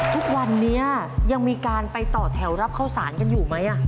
ทุกวันนี้ยังมีการไปต่อแถวรับเข้าสารกันอยู่ไหม